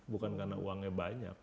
bukan karena uangnya banyak